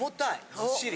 ずっしり。